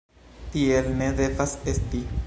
Tiel ne devas esti!